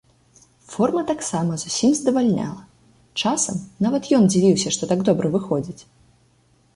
Форма таксама зусім здавальняла, часам нават ён дзівіўся, што так добра выходзіць.